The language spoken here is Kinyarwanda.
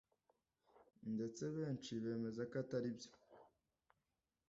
detse benshi bemezako ataribyo